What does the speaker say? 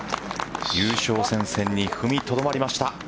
優勝戦線に踏みとどまりました。